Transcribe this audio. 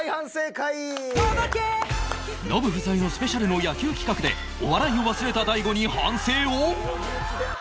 ノブ不在のスペシャルの野球企画でお笑いを忘れた大悟に反省を